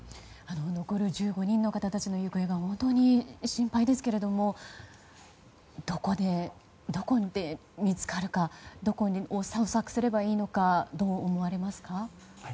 残る１５人の方たちが本当に心配ですがどこで見つかるかどこを捜索すればいいのかどう思われますか？